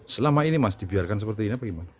selama ini mas dibiarkan seperti ini apa gimana